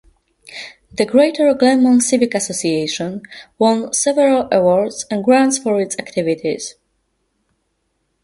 The Greater Glenmont Civic Association won several awards and grants for its activities.